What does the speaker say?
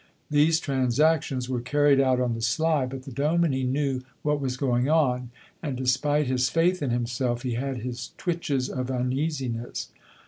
These transactions were carried out on the sly, but the dominie knew what was going on, and despite his faith in himself he had his twitches of uneasiness.